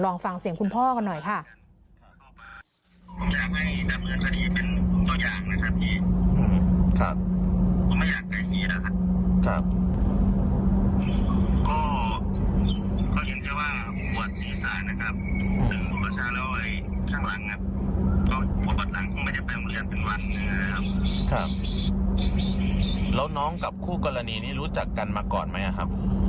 ฟังเสียงคุณพ่อกันหน่อยค่ะ